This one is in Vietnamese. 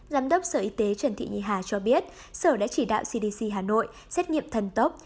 giám đốc sở y tế trần thị nhì hà cho biết sở đã chỉ đạo cdc hà nội xét nghiệm thần tốc